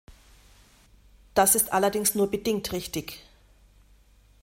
Das ist allerdings nur bedingt richtig.